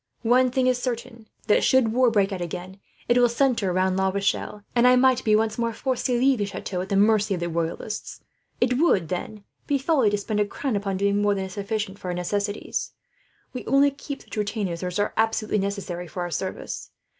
One thing is certain, that should war break out again, it will centre round La Rochelle; and I might be once more forced to leave the chateau at the mercy of the Royalists. It would, then, be folly to spend a crown upon doing more than is sufficient for our necessities. We only keep such retainers as are absolutely necessary for our service.